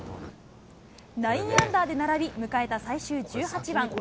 ９アンダーで並び、迎えた最終１８番。